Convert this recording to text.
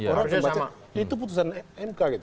orang membaca itu putusan mk gitu